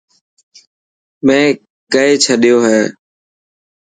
مين ڪئي ڇڏيو هي.